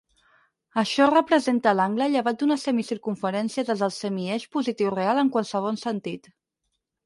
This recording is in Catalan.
Això representa l'angle llevat d'una semicircumferència des del semieix positiu real en qualsevol sentit.